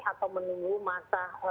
atau menunggu masa